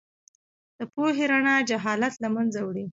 د پوهې رڼا جهالت له منځه وړي.